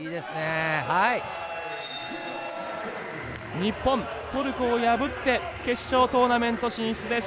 日本、トルコを破って決勝トーナメント進出です。